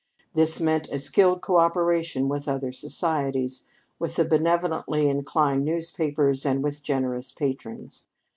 This meant a skilled coöperation with other societies, with the benevolently inclined newspapers, and with generous patrons.